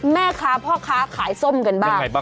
แม่ค้าพ่อค้าขายส้มกันบ้าง